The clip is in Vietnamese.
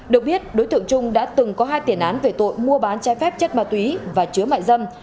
được biết đối tượng trung đã từng có hai tiền án về tội mua bán trái phép chất ma túy và chứa mại dâm